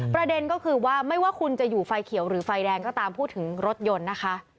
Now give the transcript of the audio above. ประเด็นก็คือว่าไม่ว่าคุณจะอยู่ไฟเขียวหรือไฟแดงก็ตามพูดถึงรถยนต์นะคะ